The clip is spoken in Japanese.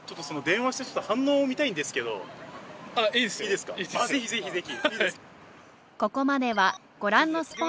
いいですかぜひぜひぜひ。